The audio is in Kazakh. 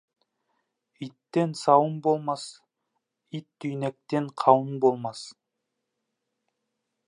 Иттен сауын болмас, иттүйнектен қауын болмас.